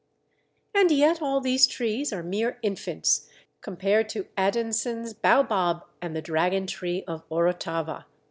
And yet all these trees are mere infants compared to Adanson's Baobab and the Dragon tree of Orotava.